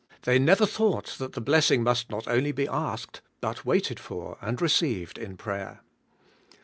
They never thought that the blessing must not only be asked, but waited for, and received in prayer.